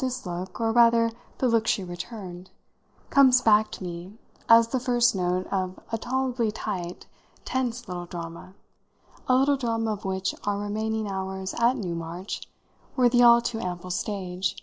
This look, or rather the look she returned, comes back to me as the first note of a tolerably tight, tense little drama, a little drama of which our remaining hours at Newmarch were the all too ample stage.